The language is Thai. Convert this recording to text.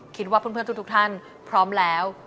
คิดว่าเพื่อนทุกท่านพร้อมแล้ว